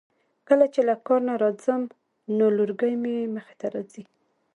کله چې له کار نه راځم نو لورکۍ مې مخې ته راځی.